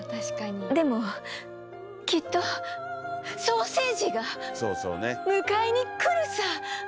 でもきっとソーセージが迎えに来るさ！